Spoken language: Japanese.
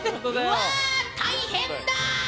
うわ大変だ！